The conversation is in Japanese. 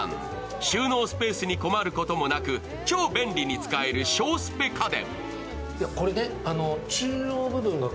収納スペースに困ることもなく超便利に使える省スペ家電。